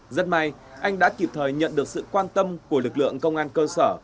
rất may anh đã kịp thời nhận được sự quan tâm của lực lượng công an cơ sở